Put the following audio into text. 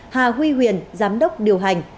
hà huy huyền giám đốc điều hành